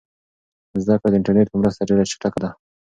زده کړه د انټرنیټ په مرسته ډېره چټکه ده.